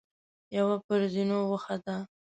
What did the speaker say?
يوه پر زينو وخته.